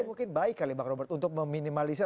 mungkin baik kali bang robert untuk meminimalisir